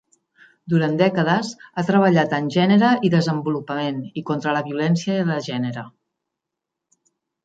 Durant dècades ha treballat en gènere i desenvolupament i contra la violència de gènere.